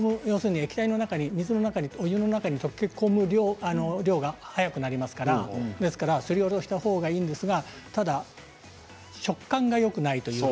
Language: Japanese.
液体の中に水の中、お湯の中に溶け込む量が早くなりますからすりおろした方がいいんですが食感がよくないというか。